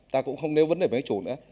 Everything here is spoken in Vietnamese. ta cũng không nêu vấn đề với các chủ nữa